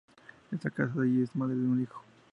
Está casada y es madre de un hijo.